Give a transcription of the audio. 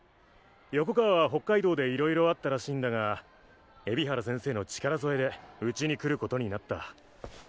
横川は北海道で色々あったらしいんだが海老原先生の力添えでウチに来ることになった。